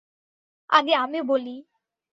আগে আমি বলি।